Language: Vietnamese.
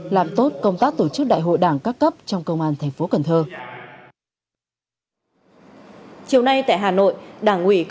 làm tốt công tác tổ chức đại hội đảng các cấp trong công an tp cn